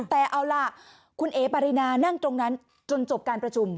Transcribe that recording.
แต่เอาล่ะคุณเอ๋ปารินานั่งตรงนั้นจนจบการประชุม